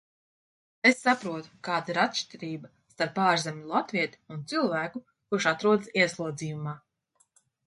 Es saprotu, kāda ir atšķirība starp ārzemju latvieti un cilvēku, kurš atrodas ieslodzījumā.